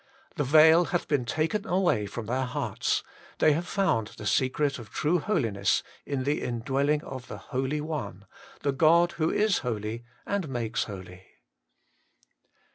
The veil hath been taken away from their hearts : they have found the secret of true holiness in the In dwelling of the Holy One, the God who is holy and makes holy.